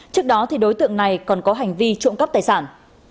trước đó đối tượng này còn có hành vi trộm cắp tài sản